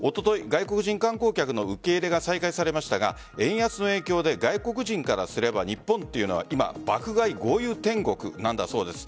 外国人観光客の受け入れが再開されましたが円安の影響で外国人からすれば日本っていうのは今爆買い豪遊天国なんだそうです。